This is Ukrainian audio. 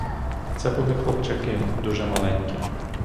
Це були хлопчаки дуже маленькі.